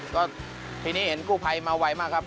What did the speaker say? ก็ทีนี้เห็นกู้ภัยมาไวมากครับ